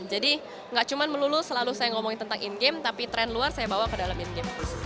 jadi gak cuma melulu selalu saya ngomongin tentang in game tapi trend luar saya bawa ke dalam in game